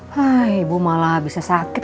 hai ibu malah bisa sakit